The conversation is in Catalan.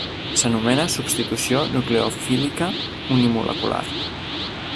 S'anomena substitució nucleofílica unimolecular.